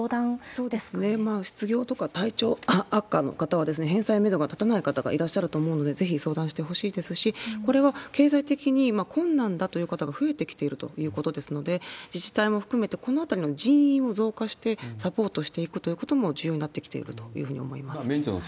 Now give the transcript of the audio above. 失業とか体調悪化の方は、返済のメドが立たない方がいらっしゃると思いますので、ぜひ相談してほしいですし、これは経済的に困難だという方が増えてきているということですので、自治体も含めて、このあたりの人員を増加して、サポートしていくということも重要になってきていると思います。